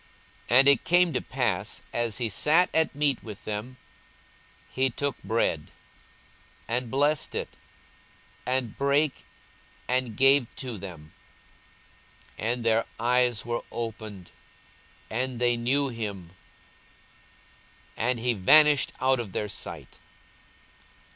42:024:030 And it came to pass, as he sat at meat with them, he took bread, and blessed it, and brake, and gave to them. 42:024:031 And their eyes were opened, and they knew him; and he vanished out of their sight.